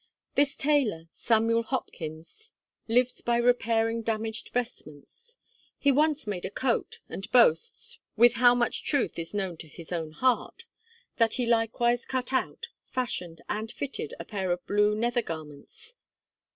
This tailor, Samuel Hopkins yclept, lives by repairing damaged vestments. He once made a coat, and boasts with how much truth is known to his own heart that he likewise cut out, fashioned, and fitted, a pair of blue nether garments.